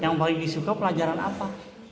yang paling disuka pelajaran apa